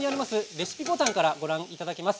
レシピボタンからご覧いただけます。